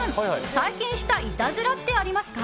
最近したいたずらってありますか？